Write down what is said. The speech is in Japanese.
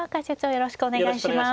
よろしくお願いします。